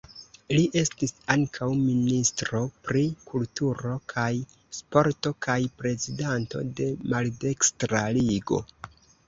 Li estis ankaŭ ministro pri kulturo kaj sporto kaj prezidanto de Maldekstra Ligo.